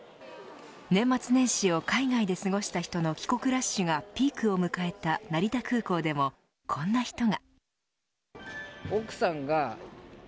年末年始を海外で過ごした人の帰国ラッシュがピークを迎えた成田空港でもこんな人が。